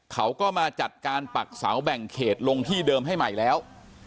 เขาก็มาจัดการปักเสาแบ่งเขตลงที่เดิมให้ใหม่แล้ว